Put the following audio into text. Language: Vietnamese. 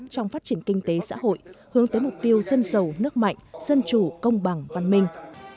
trong phát triển kinh tế xã hội hướng tới mục tiêu dân giàu nước mạnh dân chủ công bằng văn minh